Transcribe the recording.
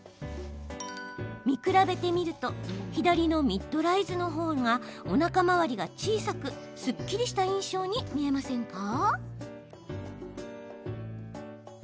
見比べてみると左のミッドライズのほうがおなか回りが小さくすっきりした印象に見えませんか？